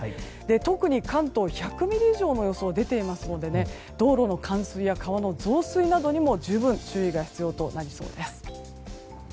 特に関東は１００ミリ以上の予想が出ていますので道路の冠水や川の増水などにも十分、注意が必要となりそうです。